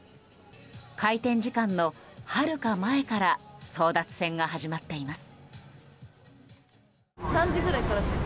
開店時間のはるか前から争奪戦が始まっています。